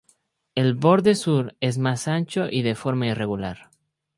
El borde sur es más ancho y de forma irregular.